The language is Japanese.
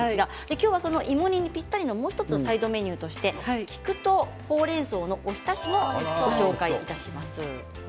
今日は芋煮にぴったりなもう１つサイドメニューとして菊とほうれんそうのお浸しもご紹介いたします。